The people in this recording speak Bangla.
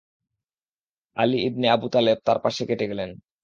আলী ইবনে আবু তালেব তার পাশ কেটে গেলেন।